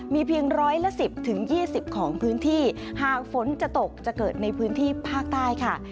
มีเพียงร้อยละ๑๐๒๐ของพื้นที่หากฝนจะตกจะเกิดในพื้นที่ภาคใต้ค่ะ